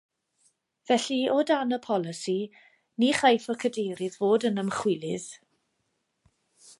Felly o dan y polisi ni chaiff y cadeirydd fod yn ymchwilydd